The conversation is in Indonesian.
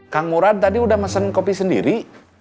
kang murad tadi sudah masan kopi sendiri